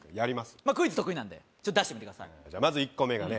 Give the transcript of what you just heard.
まあクイズ得意なんでちょっと出してみてくださいじゃあまず１個目がね